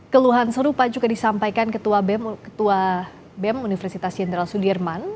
keluhan serupa juga disampaikan ketua bem ketua bem universitas jenderal sudirman